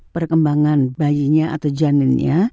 perkembangan bayinya atau janinnya